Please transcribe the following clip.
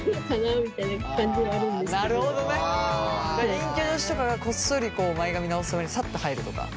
陰キャの人がこっそり前髪直すためにサッと入るとか？